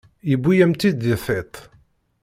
Yewwi-yam-tt-id di tiṭ.